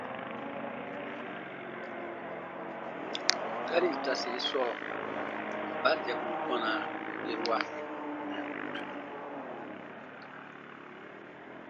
Gari itase sɔɔ: mba dɛburu gɔna u gerua?